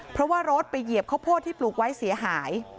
เพราะว่ารถไปเหยียบข้าวโพดที่ปลูกไว้เสียหาย